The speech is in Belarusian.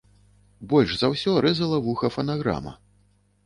Больш за ўсё рэзала вуха фанаграма.